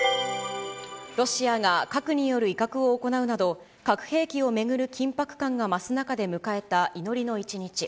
ロシアが核による威嚇を行うなど、核兵器を巡る緊迫感が増す中で迎えた祈りの一日。